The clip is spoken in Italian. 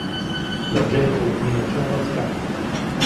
La gente minacciava scandali.